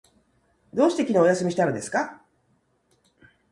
どうして昨日はお休みしたのですか？